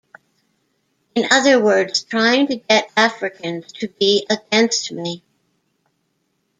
In other words, trying to get Africans to be against me.